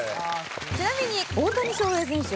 ちなみに大谷翔平選手